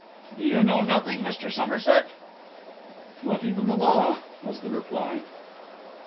Do you know nothing, Mr. Somerset?' 'Not even law,' was the reply.